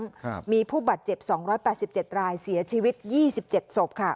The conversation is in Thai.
ครับมีผู้บาดเจ็บสองร้อยแปดสิบเจ็ดรายเสียชีวิตยี่สิบเจ็ดศพค่ะ